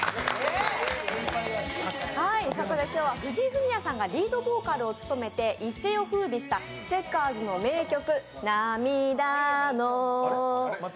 そこで今日は藤井フミヤさんがリードボーカルを務めて一世をふうびしたチェッカーズの名曲